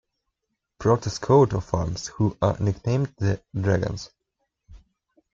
Porto's coat of arms, who are nicknamed "the dragons".